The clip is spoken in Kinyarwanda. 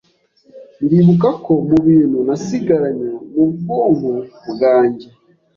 ndibuka ko mu bintu nasigaranye mu bwonko bwanjye